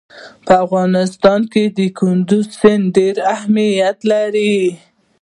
په افغانستان کې کندز سیند ډېر اهمیت لري.